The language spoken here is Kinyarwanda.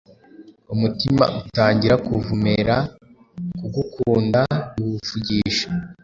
Umutima utangira kuvumera kugukunda biwuvugisha